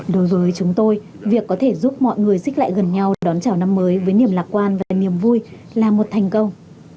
đối với chúng tôi việc có thể giúp mọi người xích lại gần nhau đón chào năm mới với niềm lạc quan và niềm vui là một thành công